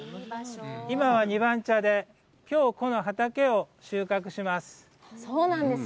今は二番茶で、きょう、この畑を収穫します。